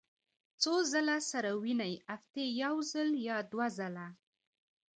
څو ځله سره وینئ؟ هفتې یوځل یا دوه ځله